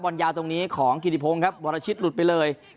บรรยาตรงนี้ของกิริโภงครับบรรชิตหลุดไปเลย